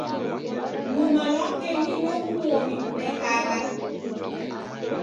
Lumalwakenyi nokumoni kudekagha